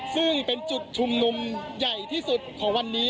ซึ่งเป็นจุดชุมนุมใหญ่ที่สุดของวันนี้